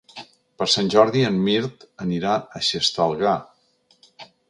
Per Sant Jordi en Mirt anirà a Xestalgar.